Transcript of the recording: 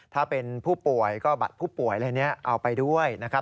ถ้าเป็นผู้ป่วยก็บัตรผู้ป่วยอะไรนี้เอาไปด้วยนะครับ